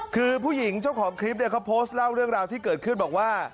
คือผู้หญิงเจ้าของคลิปเนี่ยเขาโพสต์เล่าเรื่องราวที่เกิดขึ้นบอกว่า